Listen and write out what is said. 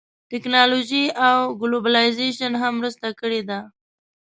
ټیکنالوژۍ او ګلوبلایزېشن هم مرسته کړې ده